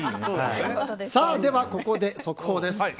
ではここで、速報です。